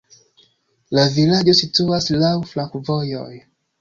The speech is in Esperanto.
La vilaĝo situas laŭ flankovojoj.